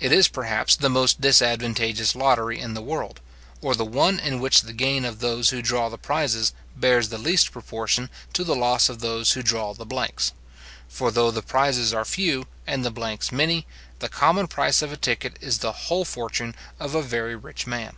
It is, perhaps, the most disadvantageous lottery in the world, or the one in which the gain of those who draw the prizes bears the least proportion to the loss of those who draw the blanks; for though the prizes are few, and the blanks many, the common price of a ticket is the whole fortune of a very rich man.